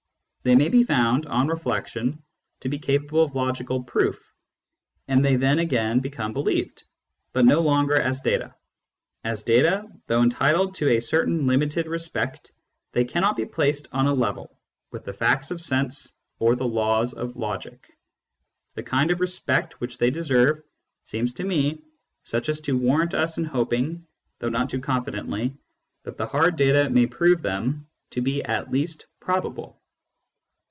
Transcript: They may be found, on reflection, to be capable of logical proof, and they then again become believed, but no longer as data. As data, though entitled to a certain limited respect, they cannot be placed on a level with the facts of sense or the laws of logic. The kind of respect which they deserve seems to me such as to warrant us in hoping, though not too confidently, that the hard data may prove them to be at least probable.